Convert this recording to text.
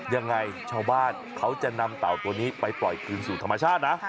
ยังไงชาวบ้านเขาจะนำเต่าตัวนี้ไปปล่อยคืนสู่ธรรมชาตินะ